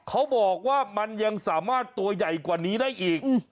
เขาบอกว่ามันยังสามารถตัวใหญ่กว่านี้ได้อีก